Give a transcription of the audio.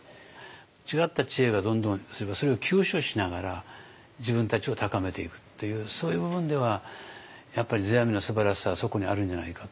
違った知恵がどんどんそれを吸収しながら自分たちを高めていくっていうそういう部分ではやっぱり世阿弥のすばらしさはそこにあるんじゃないかと。